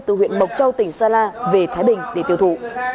từ huyện bộc châu tỉnh sơn la về thái bình để tiêu thụ